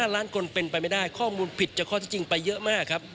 ล้านคนเป็นไปไม่ได้ข้อมูลผิดจากข้อที่จริงไปเยอะมากครับ